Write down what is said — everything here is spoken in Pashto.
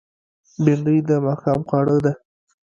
بېنډۍ د ماښام خواړه ده